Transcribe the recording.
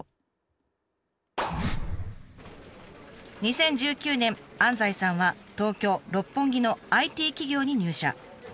２０１９年安西さんは東京・六本木のＩＴ企業に入社。